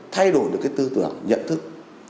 thay đổi được cái tư tưởng nhận thức